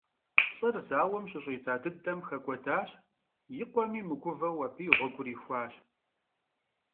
ЛӀыр зауэм щыщӀидза дыдэм хэкӀуэдащ, и къуэми мыгувэу абы и гъуэгур ихуащ.